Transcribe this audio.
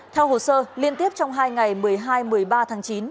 theo hồ sơ liên tiếp trong hai ngày một mươi hai một mươi ba tháng chín